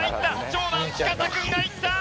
長男司君がいったー！